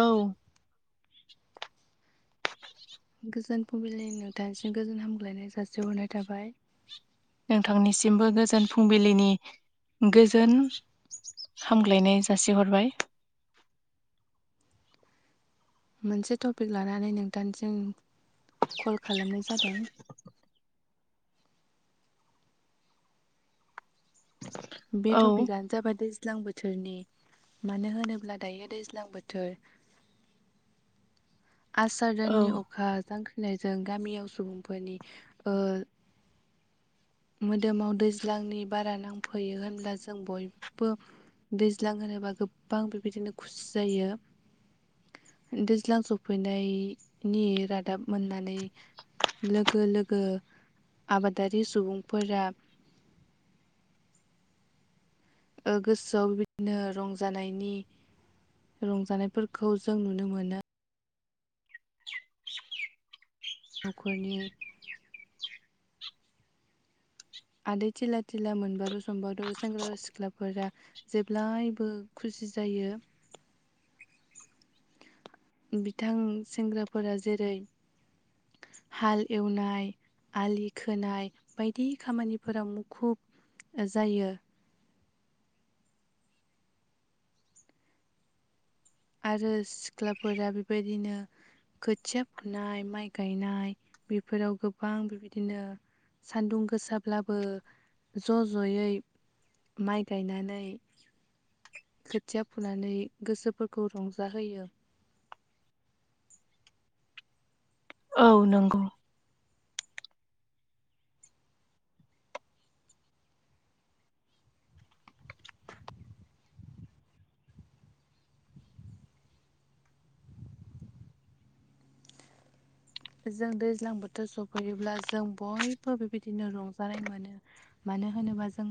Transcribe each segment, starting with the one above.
औ। गोजोन फुंबिलिनि नोंथांसिम गोजोन हामग्लायनाय जासि हरनाय थाबाय। नोंथांनिसिमबो गोजोन फुंबिलिनि गोजोन हामग्लायनाय जासिहरबाय मोनसे टपिक लानानै नोंथांजों कल खालामनाय जादों। [unintelligible] बे औ टपिकनो जाबाय दे। दैज्लां बोथोरनि मानो होनोब्ला दायो दैज्लां बोथोर औ आसारनि अखा जों गामियाव सुबुंफोरनि मोदोमाव दैज्लांनि बारा नांफैयो होनब्ला जों बयबो दैज्लां होनोबा गोबां बेबायदिनो खुसि जायो। दैज्लां सफैनायनि रादाब मोननानै लोगो लोगो आबादारि सुबुंफोरा गोसोआव बिबायदिनो रंजानायनि रंजानायफोरखौ जों नुनो मोनो। नखरनि आदै थिला ला मोनबाथ' संब' सेंग्रा सिख्लाफोरा जेब्लायबो खुसि फुसि जायो। बिथां सेंग्राफोरा जेरै हाल एवनाय आलि खोनाय बायदि खामानिफोरााव मुखुब जायो। आरो सिख्लाफोरा बेबायदिनो खोथिया फुनाय माइ गायनाय बेफोराव गोबां बेबायदिनो। सान्दुं गोसाब्लाबो ज' ज'यै माइ गायनानै खोथिया फुनानै गोसो खौ रंजाहोयो। औ नंगौ। जों दैज्लां बोथोर सफैयोब्ला जों बयबो बेबायदिनो रंजानाय मोनो मान ानो होनोबा जों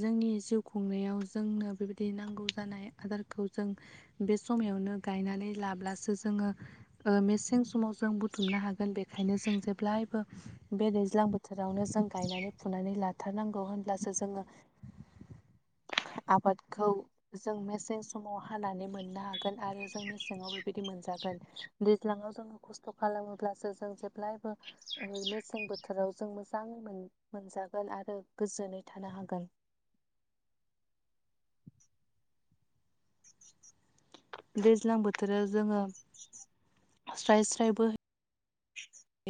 जा जिउ खुंनायाव जोंनो बेबायदि नांगौ जानाय आदारखौ जों बे समायावनो गायनानै लाब्लासो जोंङो। बथिं समाव जों बुथुमनो हागोन बेनिखायनो जों जेब्लायबो बे दैज्लां बोथोराव नो जों गायनानै फुनानै लाथारनांगौ होनब्लासो जोङो आबादखौ जों मेसें समाव हानानै मोननो हागोन आरो जों मेसेङाव बेबायदि मोनजागोन। बे जोङो खस्थ' खालामोब्लासो जों जेब्लायबो मेसें बोथोराव जों मोजां मोन। मोनजागोन आरो गोजोनै थानो हागोन। दैज्लां बोथोराव जोङो स्राय स्रायबो होयो।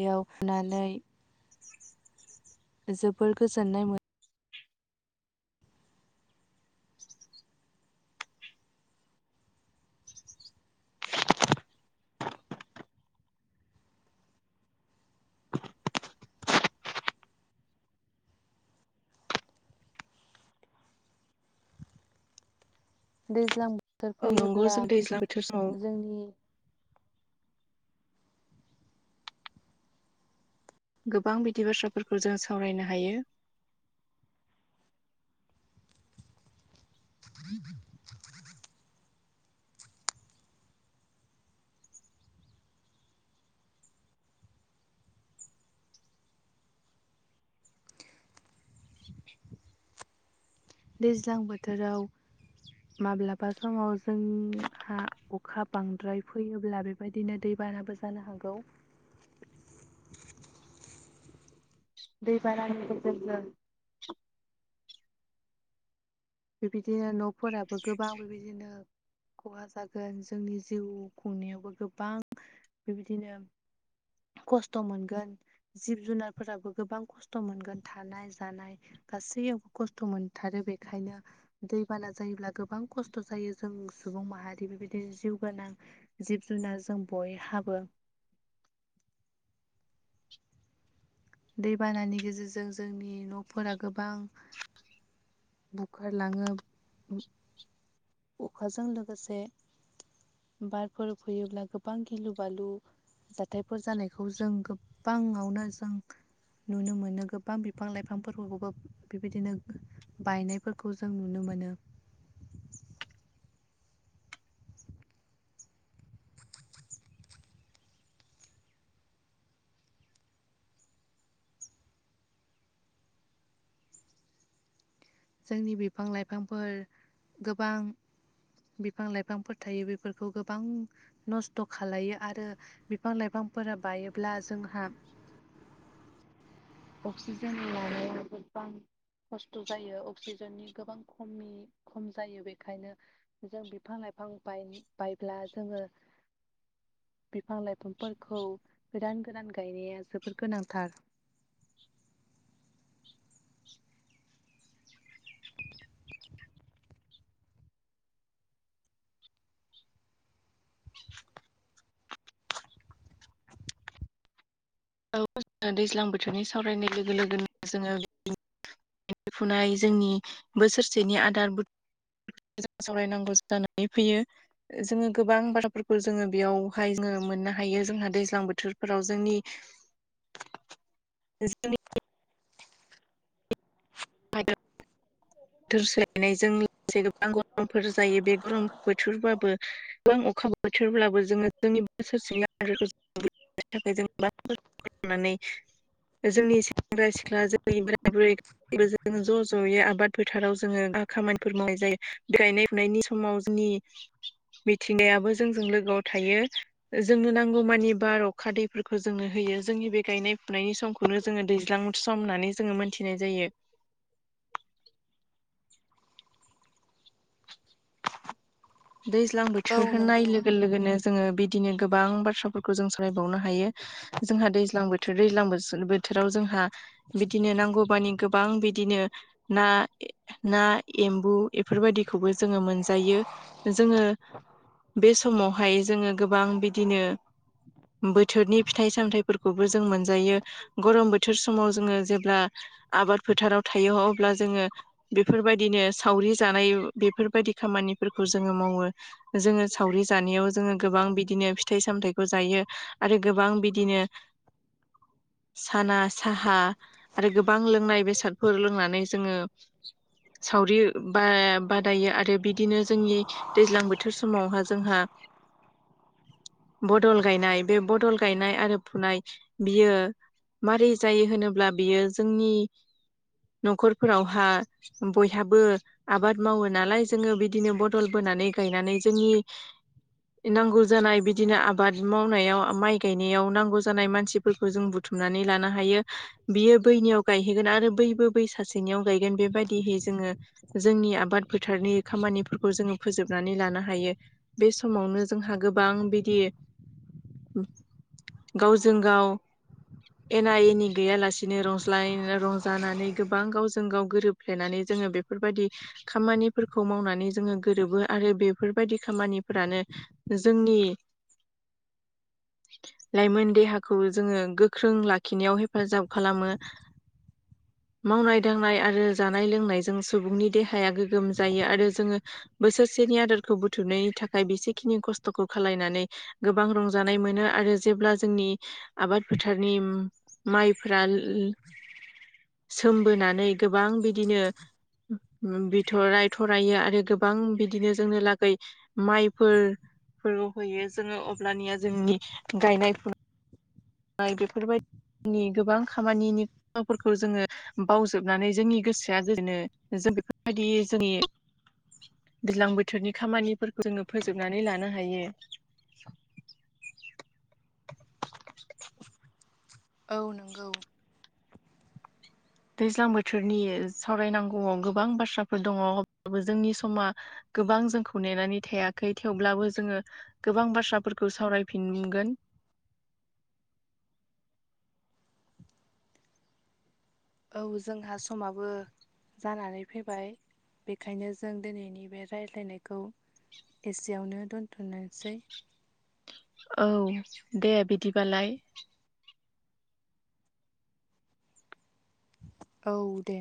दैयाव फुनानै जोबोर गोजोननाय मोनो। दैज्लां बोथोर औ नंगौ फैयोब्ला जों दैज्लां बोथोर समाव जोंनि गोबां बिदि बाथ्राफोरखौ जों सावरायनो हायो। [unintelligible] दैज्लां बोथोराव माब्लाबा समाव जोंहा अखा बांद्राय फैयोब्ला बेबायदिनो दै बानाबो जानो हागौ। दै बाना जों बेबायदिनो न'फोराबो गोबां बेबायदिनो खहा जागोन जोंनि जिउ खुंनायावबो गोबां बेबायदिनो खस्थ' मोनगोन जिब जुनारफोराबो गोबां खस्थ' मोनगोन थानाय जानाय। गासैयावबो खस्थ' मोनथारो बेखायनो दैबाना जायोब्ला गोबां खस्थ' जायो जों सुबुं माहारि बेबायदिनो जिउ गोनां। जिब जुनार जों बयहाबो दैबानानि गेजेरजों जोंनि न'फोरा गोबां बुखारलाङो अखाजों लोगोसे बारफोर फैयोब्ला गोबां गिलु बालु जाथायफोर जानायखौ जों बाङावनो जों नुनो मोनो गोबां बिफां लाइफांफोरखौबो बेबायदिनो बायनायफोरखौ जों नुनो मोनो। जोंनि बिफां लाइफांफोर गोबां बिफां लाइफांफोर थायो बेफोरखौ गोबां नस्थ' खालायो आरो बिफां लाइफां बायोब्ला जोंहा अक्सिजेन लानायाव गोबां खस्थ' जायो। अक्सिजेननि गोबां खमि खम जायो बेखायनो जों बिफां लाइफां बाय बायब्ला जोङो बिफां लाइफांफोरखौ गोदान सोरान गायनाया जोबोर गोनांथार औ दैज्लां बोथोरनि सावरायनाय लोगो लोगोनो जोङो गायनायफुनाय जोंनि बोसोरसेनि आदार बुुम सावरायनांगौ जानानै फैयो जोङो गोबां बाथ्राफोरखौ जोङो बेयावहाय जोङो मोननो हायो जोंहा दैज्लां बोथोरफोराव जोंनि ज [unintelligible] हद [unintelligible] औ। बोथोर सोलायनायजों लोगोसे गोबां गरमफोर जायो बे गरम बोथोरबाबो गोबां अखा बोथोरब्लाबो जोङो जोंनि बोसोर सिं आखौ थाखाय जों नानै जोंनि सेंग्रा सिख्ला जेरै बोराय बुरै जोो ज' ज'यै आबाद फोथाराव जोङो खामानिफोर मावनाय जायो बे गायनाय फुनायनि समाव जोंनि बि मिथिंनायाबो जोंजों लोगोआव थायो जोंनो नांगौ मानि बा अखा दैफोरखौ जोंनो होयो जोंनि बे गायनाय फुनायनि समखौनो जोङो दैज्लां सम होननानै जोङो मोनथिनाय जायो। दैज्लां औ बोथोर होनाय नंगौ लोगो औ लोगोनो जोङो बिदिनो गोबां बाथ्राफोरखौ जों सानाय बावनो हायो जोंहा दैज्लां बोथोर दैज्लां बोथोराव जोंहा बिदिनो नांगौबानि गोबां बिदि बिदिनो ना ना एम्बु बेफोरबायदिखौबो जोङो मोनजायो। जोङो बे समावहाय जोङो गोबां बिदिनो बोथोरनि फिथाइ सामथाइफोरखौबो जों मोनजायो गरम बोथोर समाव जोङो जेब्ला आबाद फोथाराव थायो अब्ला जोङो बेफोरबायदिनो सावरि जानाय बेफोरबायदि खामानिफोरखौ जो मावो जोङो सावरि जानायाव जोङो गोबां बिदिनो फिथाइ सामथखौ जायो आरो गोबां बिदिनो [inaudible] साना साहा आरो गोबां लोंनाय बेसादफोर लोंनानै जोङो सावरि ब बादायो आरो बिदिनो जोंनि दैज्लां बोथोर समावहा जोंहा बदल गायनाय बे बदल गायनाय आरो फुनाय बियो मारै जायो होनोब्ला बियो जोंनि न'खरफोरावहा बयहाबो आबाद मावो नालाय जोङो बिदि बिदिनो बदल बोनानै गायनानै जोंनि नांगौ जानाय बिदिनो आबाद मावनायाव माइ गायनायाव नांगौ जानाय मानसिफोरखौ जों बुथुम हुमनानै लानो हायो। बियो बैनियाव गायहैगोन आरो बैबो बै सासेनियाव गायगोन बेबायदिहै जोङो जोंनि आबाद फोथारनि खामानि फोरखौ जोङो फोजोबनानै लानो हायो बे समावनो जोंहा गोबां बिदि गावजों गाव एना एनि गैयालासेनो रंज रंजानानै गोबां गाव जों गाव गोरोबफ्लायनानै जोङो बेफोरबायदि खामानिफोरखौ मावनानै जोङो गोरोबो आरो बेफोरबायदि खामानिफ्रानो जोंनि [unintelligible] लाइमोन देहाखौ जोङो गोख्रों लाखिनायाव हेफाजाब खालामो। मावनाय दांनाय आरो जानाय लोंनायजों सुबुंनि देहाया गोगोम जायो आरो जोङो बोसोरसेनि आदारखौ बुथुमनायनि थाखाय बेसेखिनि खस्थ'खौ खालायनानै गोबां रंजानाय मोनो। मोन आरो जेब्ला जोंनि आबाद फोथारनि माइ उ [inaudible] सोमबोनानै गोबां बिदिनो बिथराय थरायो आरो गोबां बिदिनो जोंनो लागै माइफोर फोर होयो जोङो अब्लानिया जोंनि गायनाय फुनायनाय बेफोरबायदि नि गोबां खामानिनिफोरखौ जोङो बावजोबनानै जोंनि गोसोआ गोजोनो जों बेफोरबायदि जोंनि [unintelligible] दैज्लां बोथोरनि खामानिफोरखौ जोङो फोजोबनानै लानो हायो। [unintelligible] [unintelligible] औ नंगौ। दैज्लां बोथोरनि सावरायनांगौआव गोबां बाथ्राफोर दङ अब्लाबो जोंनि समा गोबां जोंखौ नेनानै थायाखै थेवब्लाबो जोङो गोबां बाथ्राफोरखौ सावरायफिनगोन। [unintelligible] औ जोंहा समाबो जानानै फैबाय। बेखायनो जों दिनैनि बे राय्लायनायखौ एसेयावनो दोनथ'नोसै। औ दे बिदिबालाय। औ दे।